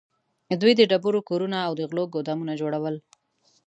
دوی د ډبرو کورونه او د غلو ګودامونه جوړول.